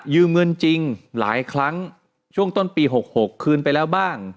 เงินจริงหลายครั้งช่วงต้นปี๖๖คืนไปแล้วบ้าง